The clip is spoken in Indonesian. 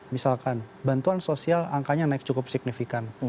misalkan bantuan sosial angkanya naik cukup signifikan